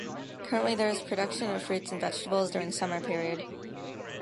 Currently there is production of fruits and vegetables during summer period.